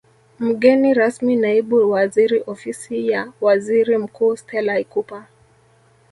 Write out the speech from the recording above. Mgeni rasmi Naibu Waziri Ofisi ya Waziri Mkuu Stella Ikupa